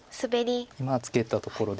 今ツケたところで。